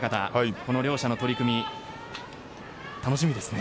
この両者の取組楽しみですね。